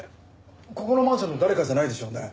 ここのマンションの誰かじゃないでしょうね？